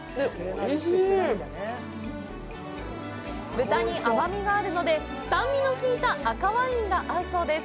豚に甘みがあるので、酸味の効いた赤ワインが合うそうです。